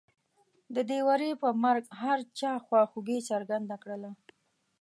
د دې وري په مرګ هر چا خواخوږي څرګنده کړله.